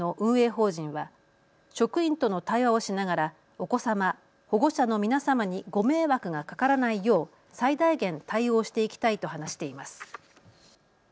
法人は職員との対話をしながらお子様、保護者の皆様にご迷惑がかからないよう最大限対応していきたいと話しています。